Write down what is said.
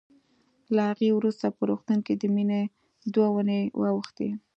له هغې وروسته په روغتون کې د مينې دوه اوونۍ واوښتې